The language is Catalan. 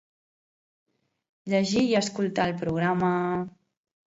Llegir i escoltar el programa….